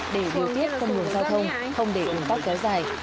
để điều tiết công đường giao thông không để ủng hộ kéo dài